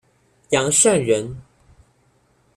杨善人。